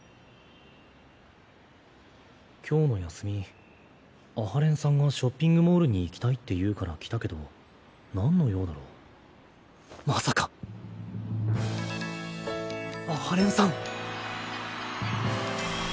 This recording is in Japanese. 今日の休み阿波連さんがショッピングモールに行きたいって言うから来たけどまさか阿波連さん。